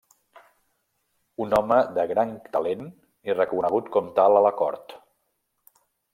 Un home de gran talent i reconegut com tal a la cort.